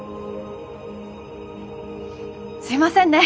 すいませんね！